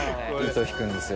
糸引くんですよ。